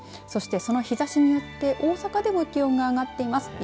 そして、その日ざしによって大阪でも気温が上がっています。